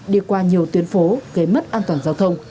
đi qua nhiều tuyến phố gây mất an toàn giao thông